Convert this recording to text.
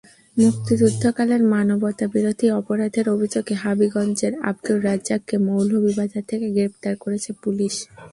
মুক্তিযুদ্ধকালের মানবতাবিরোধী অপরাধের অভিযোগে হবিগঞ্জের আবদুর রাজ্জাককে মৌলভীবাজার থেকে গ্রেপ্তার করেছে পুলিশ।